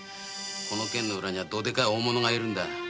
この件の裏にはどでかい大物がいるんだ。